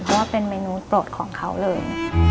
เพราะว่าเป็นเมนูปลดของเขาเลย